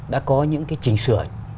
đã có những cái chỉnh sửa cho các hồ sơ